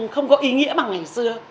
không có ý nghĩa bằng ngày xưa